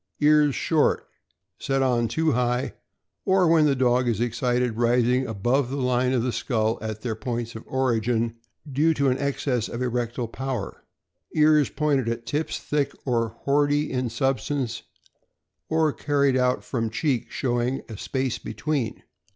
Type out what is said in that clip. Ears short, set on too high, or when the dog is excited rising above the line of the skull at their points of origin, due to an excess of erectile power. Ears pointed at tips, thick or boardy in substance, or carried out from cheek, showing a space between.